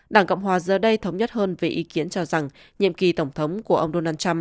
đảng cộng hòa giờ đây thống nhất hơn về ý kiến cho rằng nhiệm kỳ tổng thống của ông donald trump